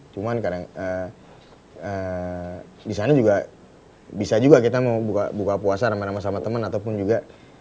cuman kadang disana juga bisa juga kita mau buka puasa sama temen ataupun juga